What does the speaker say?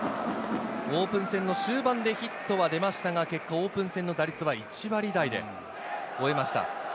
オープン戦の終盤でヒットは出ましたが、結果オープン戦の打率は１割台で終えました。